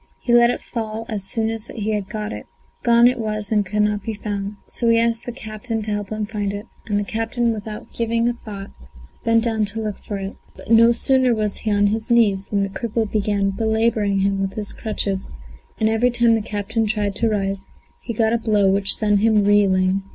He let it fall as soon as he got it; gone it was and could not be found. So he asked the captain to help him to find it, and the captain, without giving a thought, bent down to look for it. But no sooner was he on his knees than the cripple began belabouring him with his crutches, and every time the captain tried to rise, he got a blow which sent him reeling.